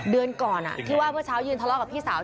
เดือนก่อนที่ว่าเมื่อเช้ายืนทะเลาะกับพี่สาว